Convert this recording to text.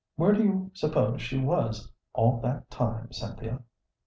Where do you suppose she was all that time, Cynthia?"